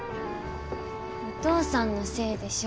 お父さんのせいでしょ。